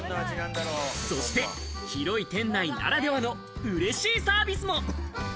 そして、広い店内ならではの、うれしいサービスも。